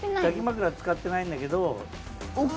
抱き枕使ってないんだけど。